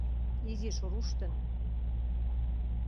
Изиш руштын.